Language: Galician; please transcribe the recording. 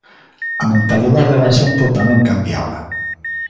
A mentalidade da xente tamén cambiaba.